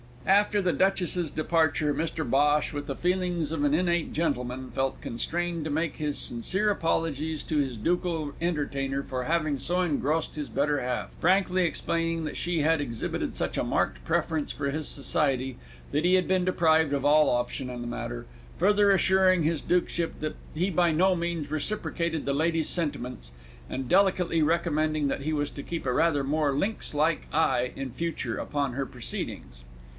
After the Duchess's departure, Mr Bhosh, with the feelings of an innate gentleman, felt constrained to make his sincere apologies to his ducal entertainer for having so engrossed his better half, frankly explaining that she had exhibited such a marked preference for his society that he had been deprived of all option in the matter, further assuring his dukeship that he by no means reciprocated the lady's sentiments, and delicately recommending that he was to keep a rather more lynxlike eye in future upon her proceedings.